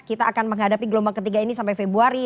kita akan menghadapi gelombang ketiga ini sampai februari